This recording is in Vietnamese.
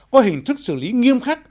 có hình thức xử lý nghiêm khắc